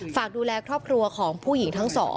ฝากดูแลครอบครัวของผู้หญิงทั้ง๒